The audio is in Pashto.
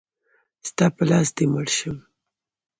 ستا په لاس دی مړ شم.